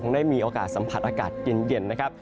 ได้มีโอกาสสัมผัสอากาศเย็นนะครับ